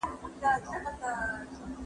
هغه وويل چي شګه مهمه ده